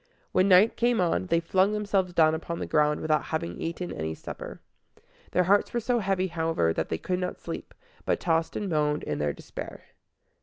When night came on, they flung themselves down upon the ground without having eaten any supper. Their hearts were so heavy, however, that they could not sleep, but tossed and moaned in their despair.